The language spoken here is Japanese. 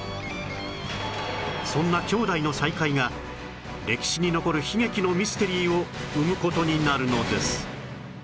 そんな兄弟の再会が歴史に残る悲劇のミステリーを生む事になるのです